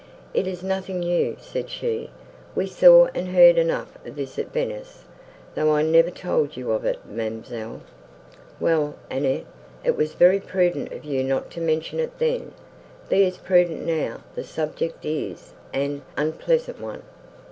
"It is nothing new," said she: "we saw and heard enough of this at Venice, though I never told you of it, ma'amselle." "Well, Annette, it was very prudent of you not to mention it then: be as prudent now; the subject is an unpleasant one."